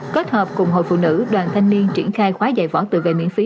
kết hợp cùng hội phụ nữ đoàn thanh niên triển khai khóa dạy võ tự vệ miễn phí